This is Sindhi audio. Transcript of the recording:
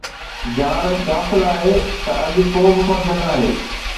جهالت غافل آهي ته اڄ ڪو به فرد ناهي